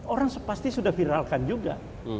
orang pasti sudah viralkan juga